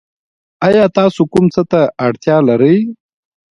ایا تاسو کوم څه ته اړتیا لرئ؟